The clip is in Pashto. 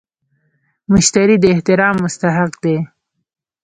مشتري د احترام مستحق دی.